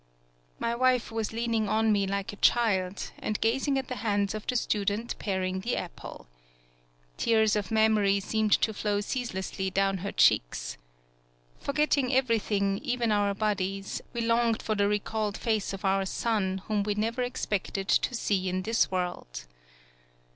My wife was leaning on me like a child, and gazing at the hands of the student paring the apple. Tears of memory seemed to flow ceaselessly down her cheeks. Forgetting every thing, even our bodies, we longed for the recalled face of our son whom we never expected to see in this world.